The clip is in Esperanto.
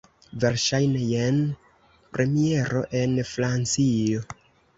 Verŝajne, jen premiero en Francio.